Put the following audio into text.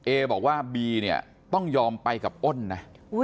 เอ็กซ์บอกว่าบีต้องยอมไปกับอ้อนนะ